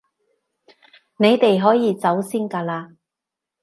你哋可以走先㗎喇